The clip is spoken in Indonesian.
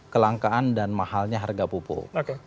kelangkaan dan mahalnya harga pupuk